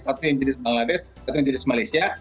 satu yang jenis bangladesh satu yang jenis malaysia